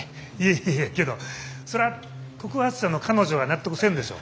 いやいやけどそら告発者の彼女が納得せんでしょう。